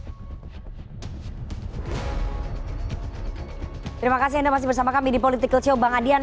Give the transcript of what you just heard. terima kasih anda masih bersama kami di politik kecil bangadian